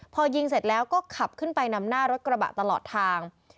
พอยิงเสร็จแล้วก็ขับขึ้นไปนำหน้ารถกระบะตลอดทาง